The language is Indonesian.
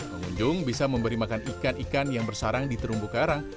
pengunjung bisa memberi makan ikan ikan yang bersarang di terumbu karang